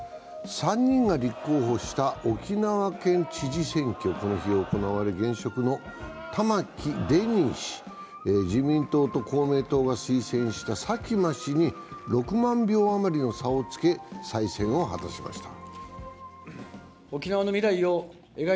３人が立候補した沖縄県知事選挙、この日、行われ、現職の玉城デニー氏、自民党と公明党が推薦した佐喜真氏に６万票余りの差をつけ再選を果たしました。